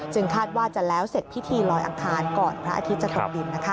คาดว่าจะแล้วเสร็จพิธีลอยอังคารก่อนพระอาทิตย์จะตกดิน